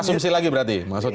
asumsi lagi berarti maksudnya